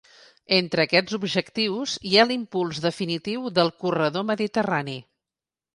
Entre aquests objectius hi ha l’impuls definitiu del corredor mediterrani.